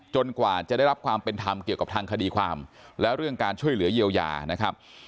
กว่าจะได้รับความเป็นธรรมเกี่ยวกับทางคดีความและเรื่องการช่วยเหลือเยียวยานะครับ